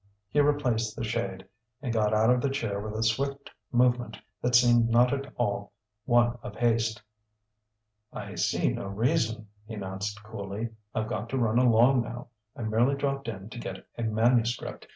He replaced the shade, and got out of the chair with a swift movement that seemed not at all one of haste. "I see no reason," he announced coolly. "I've got to run along now I merely dropped in to get a manuscript.